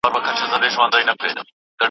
که مشاهده نه وي علم نيمګړی دی.